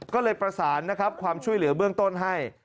ก็เลยประสานนะครับความช่วยเหลือเบื้องต้นให้